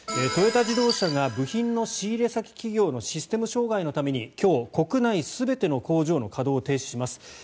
トヨタ自動車が部品の仕入れ先企業のシステム障害のために今日、国内全ての工場の稼働を停止します。